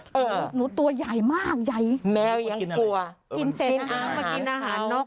เออหนูตัวใหญ่มากใหญ่แมวยังกลัวกินเศษอาหารกินอาหารนก